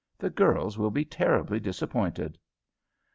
The girls will be terribly disappointed."